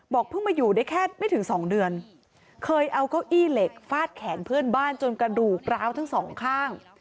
เพิ่งมาอยู่ได้แค่ไม่ถึงสองเดือนเคยเอาเก้าอี้เหล็กฟาดแขนเพื่อนบ้านจนกระดูกร้าวทั้งสองข้าง